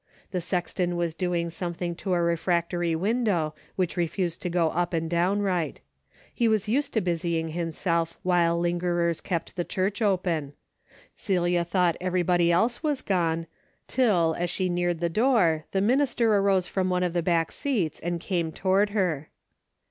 The sexton was doing some thing to a refractory window, which refused to go up and down right. ^He was used to busying himself while lingerers kept the church open. Celia thought everybody else was gone, till, as she neared the door, the minister arose from one of the back seats and came toward her.